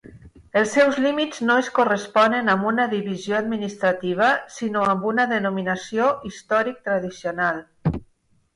Els seus límits no es corresponen amb una divisió administrativa, sinó amb una denominació històric-tradicional.